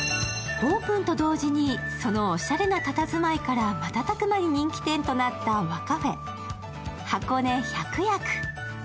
オープンと同時に、そのおしゃれなたたずまいから瞬く間に人気店となった和カフェ、箱根百薬。